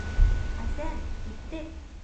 Хәсән, киттек!